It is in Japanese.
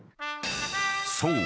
［そう。